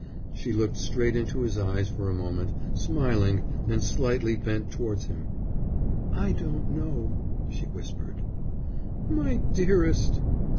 She looked straight into his eyes for a moment, smiling, and slightly bent towards him. "I don't know," she whispered. "My dearest!"